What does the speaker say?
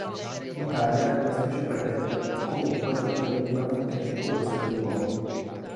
In Italia è una specie protetta e comunque non è minimamente pericolosa per l'uomo.